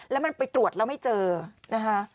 แล้วมันไปตรวจแล้วไม่เจอนะคะ